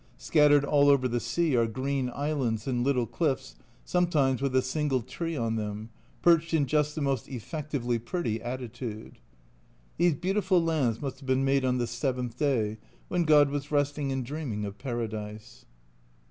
Scattered all over the sea are green islands and little cliffs, sometimes with a single tree on them, perched in just the most effec tively pretty attitude. These beautiful lands must have been made on the seventh day, when God was resting and dreaming of Paradise.